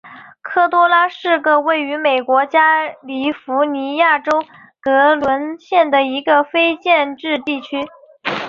科多拉是位于美国加利福尼亚州格伦县的一个非建制地区。